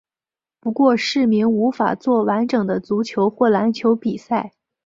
不过市民无法作完整的足球或篮球比赛。